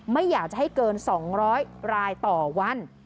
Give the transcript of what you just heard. ไม่อยากจะให้เกิน๒๐๐รายต่อวัน